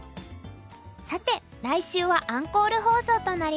さて来週はアンコール放送となります。